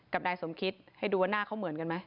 กับนายสมคิตให้ดูว่าหน้าเขาเหมือนกันไหม